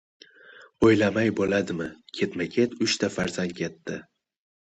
O‘ylamay bo‘ladimi, ketma-ket uchta farzand ketdi!